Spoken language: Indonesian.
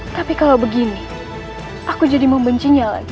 tapi kalau begini aku jadi membencinya lagi